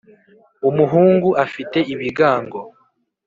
umuhungu afite ibigango